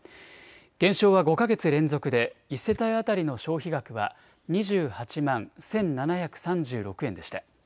減少は５か月連続で１世帯当たりの消費額は２８万１７３６円でした。